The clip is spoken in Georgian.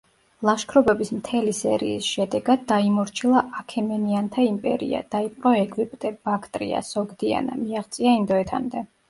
ლაშქრობების მთელი სერიის შედეგად დაიმორჩილა აქემენიანთა იმპერია, დაიპყრო ეგვიპტე, ბაქტრია, სოგდიანა, მიაღწია ინდოეთამდე.